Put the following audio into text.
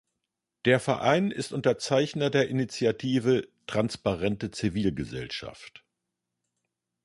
Der Verein ist Unterzeichner der Initiative Transparente Zivilgesellschaft.